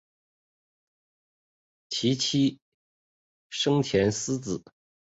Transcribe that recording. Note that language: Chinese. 其妻笙田弘子。